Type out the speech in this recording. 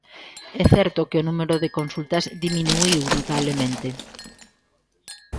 É certo que o número de consultas diminuíu notablemente.